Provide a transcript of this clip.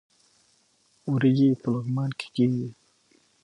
وریجې په لغمان کې کیږي